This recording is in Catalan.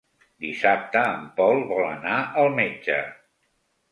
Dissabte en Pol vol anar al metge.